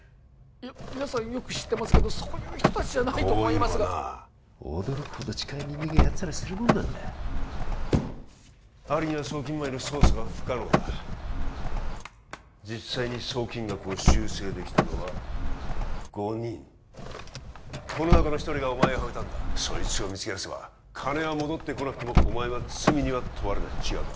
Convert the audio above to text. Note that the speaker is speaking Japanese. いや皆さんよく知ってますけどそういう人たちじゃないとこういうのはな驚くほど近い人間がやってたりするもんなんだアリには送金前の操作は不可能だ実際に送金額を修正できたのは５人この中の一人がお前をハメたんだそいつを見つけ出せば金は戻ってこなくてもお前は罪には問われない違うか？